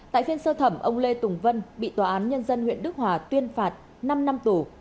tại phiên sơ thẩm ông lê tùng vân bị tòa án nhân dân huyện đức hòa tuyên phạt năm năm tù